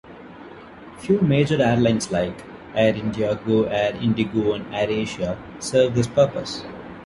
Few major airlines like Air India, GoAir, Indigo and airasia serve this purpose.